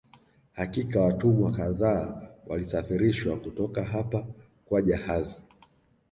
Hakika watumwa kadhaa walisafirishwa kutoka hapa kwa jahazi